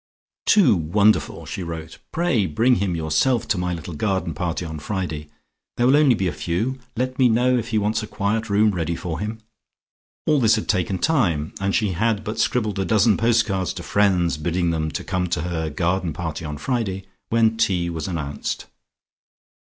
"Too wonderful," she wrote, "pray bring him yourself to my little garden party on Friday. There will be only a few. Let me know if he wants a quiet room ready for him." All this had taken time, and she had but scribbled a dozen postcards to friends bidding them come to her garden party on Friday, when tea was announced.